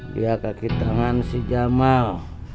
dia kaki tangan si jamal